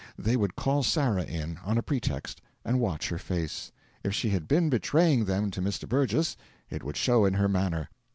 They would call Sarah in, on a pretext, and watch her face; if she had been betraying them to Mr. Burgess, it would show in her manner.